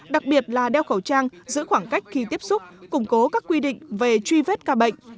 đặc biệt là đeo khẩu trang giữ khoảng cách khi tiếp xúc củng cố các quy định về truy vết ca bệnh